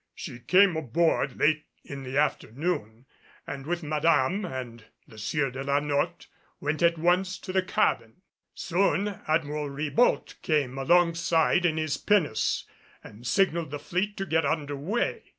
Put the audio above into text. She came aboard late in the afternoon, and with Madame and the Sieur de la Notte went at once to the cabin. Soon Admiral Ribault came alongside in his pinnace and signaled the fleet to get under way.